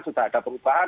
sudah ada perubahan